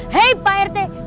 hei pak rt